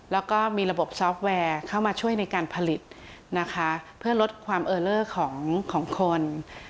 แล้วก็มีระบบซอฟต์แวร์เข้ามาช่วยในการผลิตนะคะเพื่อลดความเออเลอร์ของคน